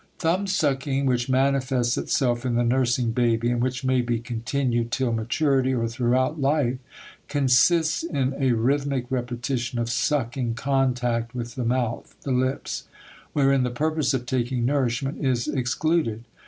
* Thumbsucking, which manifests itself in the nursing baby and which may be continued till maturity or throughout life, consists in a rhythmic repetition of sucking contact with the mouth (the lips), wherein the purpose of taking nourishment is excluded.